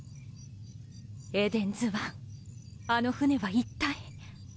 エデンズワンあの船は一体。